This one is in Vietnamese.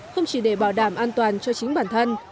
không chỉ để bảo đảm an toàn cho chính bản thân